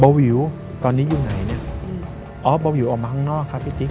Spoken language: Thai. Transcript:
เบาวิ๋วตอนนี้อยู่ไหนอ่ะบาววิ๋วออกมาข้างนอกค่ะปี้ติ๊ก